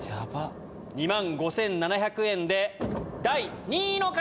２万５７００円で第２位の方！